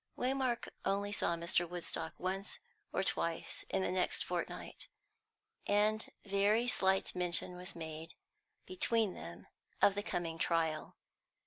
Waymark only saw Mr. Woodstock once or twice in the next fortnight, and very slight mention was made between them of the coming trial.